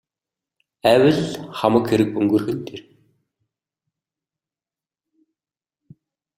Айвал л хамаг хэрэг өнгөрөх нь тэр.